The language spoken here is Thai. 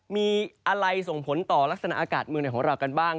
มีอะไรส่งผลต่อลักษณะอากาศเมืองไหนของเรากันบ้าง